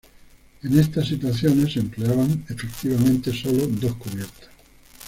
En estas situaciones se empleaban efectivamente sólo dos cubiertas.